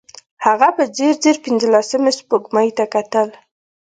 هغه په ځير ځير پينځلسمې سپوږمۍ ته کتل.